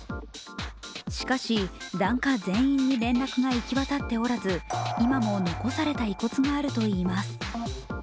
しかし、檀家全員に連絡が行き渡っておらず今も残された遺骨があるといいます。